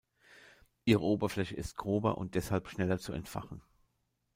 Ihre Oberfläche ist grober und deshalb schneller zu entfachen.